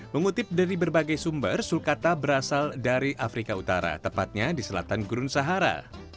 mengutip dari berbagai sumber sulcata berasal dari afrika utara tepatnya di selatan gurun sahara